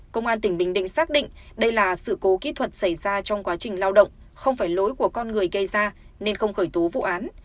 công an tỉnh bình định xác định đây là sự cố kỹ thuật xảy ra trong quá trình lao động không phải lỗi của con người gây ra nên không khởi tố vụ án